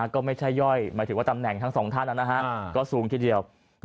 ก็ไม่ใช่ย่อยหมายถึงว่าตำแหน่งทั้งสองท่านก็สูงทีเดียว